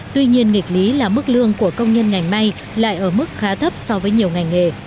tuy nhiên nghịch lý là mức lương của công nhân ngành may lại ở mức khá thấp so với nhiều ngành nghề